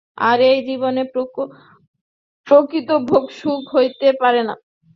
আর এই জীবনে প্রকৃত ভোগসুখ হইতেই পারে না।